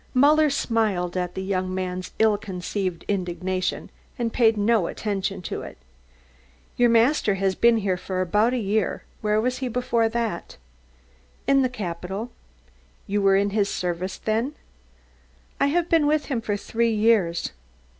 Muller smiled at the young man's ill concealed indignation and paid no attention to it. "Your master has been here for about a year. Where was he before that?" "In the capital." "You were in his service then?" "I have been with him for three years."